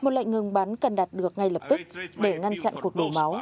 một lệnh ngừng bắn cần đạt được ngay lập tức để ngăn chặn cuộc đổ máu